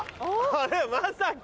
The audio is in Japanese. あれまさか！